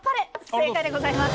正解でございます。